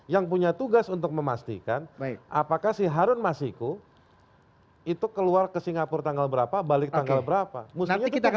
yang punya tugas untuk memastikan apakah si harun masiku itu keluar ke singapura tanggal berapa balik tanggal berapa